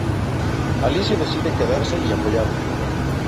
Alicia decide quedarse y apoyarlo.